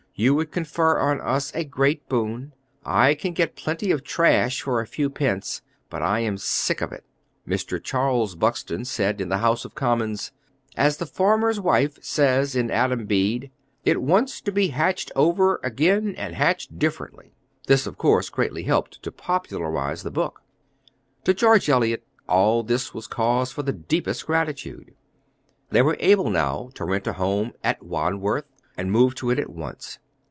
You would confer on us a great boon. I can get plenty of trash for a few pence, but I am sick of it." Mr. Charles Buxton said, in the House of Commons: "As the farmer's wife says in Adam Bede, 'It wants to be hatched over again and hatched different.'" This of course greatly helped to popularize the book. To George Eliot all this was cause for the deepest gratitude. They were able now to rent a home at Wandworth, and move to it at once.